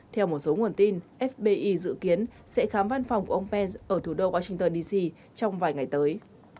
theo một số nguồn tin fbi dự kiến sẽ khám văn phòng của ông pence ở thủ đô washington dc trong vài ngày tới